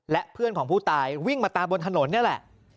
และเพื่อนของผู้ตายวิ่งมาตามบนถนนนี่แหละ